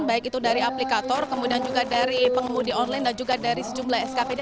baik itu dari aplikator kemudian juga dari pengemudi online dan juga dari sejumlah skpd